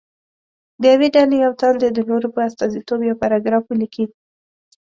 د یوې ډلې یو تن دې د نورو په استازیتوب یو پاراګراف ولیکي.